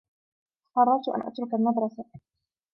قررت أن أترك المدرسة.